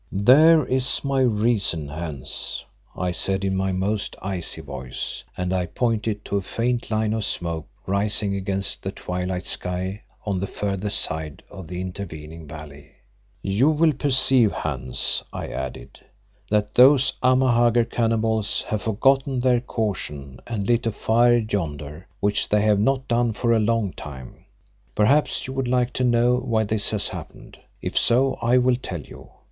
"There is my reason, Hans," I said in my most icy voice, and I pointed to a faint line of smoke rising against the twilight sky on the further side of the intervening valley. "You will perceive, Hans," I added, "that those Amahagger cannibals have forgotten their caution and lit a fire yonder, which they have not done for a long time. Perhaps you would like to know why this has happened. If so I will tell you.